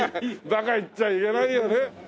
バカ言っちゃいけないよね。